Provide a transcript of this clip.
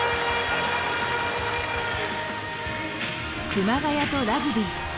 熊谷とラグビー。